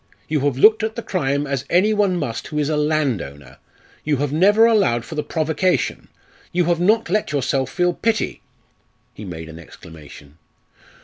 You have looked at the crime as any one must who is a landowner; you have never allowed for the provocation; you have not let yourself feel pity " He made an exclamation.